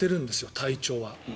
体調は。